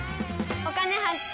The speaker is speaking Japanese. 「お金発見」。